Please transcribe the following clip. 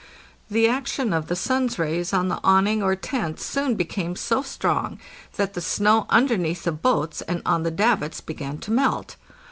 The action of the sun's rays on the awning or tent soon be came so strong that the snow underneath the boats and on the davits began to melt.